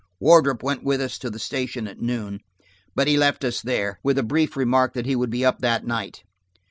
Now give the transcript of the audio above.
Wardrop went with us to the station at noon, but he left us there, with a brief remark that he would be up that night.